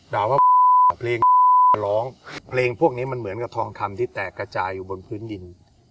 ด่าว่าเพลงร้องเพลงพวกนี้มันเหมือนกับทองคำที่แตกกระจายอยู่บนพื้นดิน